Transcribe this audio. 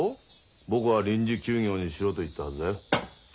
僕は臨時休業にしろと言ったはずだよ。